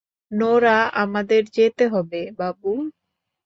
Nora, আমাদের যেতে হবে, বাবু!